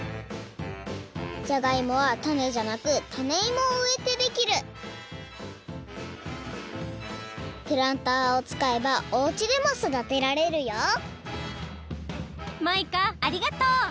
じゃがいもはタネじゃなくタネイモをうえてできるプランターを使えばおうちでもそだてられるよマイカありがとう！